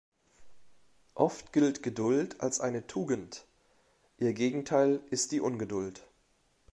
Oft gilt Geduld als eine Tugend; ihr Gegenteil ist die Ungeduld.